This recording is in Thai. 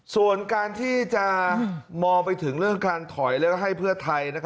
ส่วนการที่จะมองไปถึงเรื่องการถอยแล้วก็ให้เพื่อไทย